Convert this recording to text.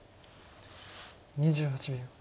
２８秒。